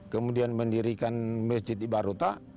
kemudian mendirikan masjid di baruta